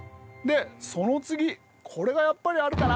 その次これがやっぱりあるかな。